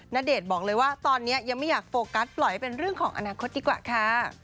ณเดชน์บอกเลยว่าตอนนี้ยังไม่อยากโฟกัสปล่อยเป็นเรื่องของอนาคตดีกว่าค่ะ